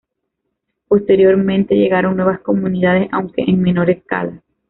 Posteriormente, llegaron nuevas comunidades, aunque en menor escala.